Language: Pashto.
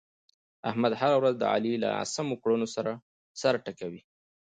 احمد هره ورځ د علي له ناسمو کړنو سر ټکوي.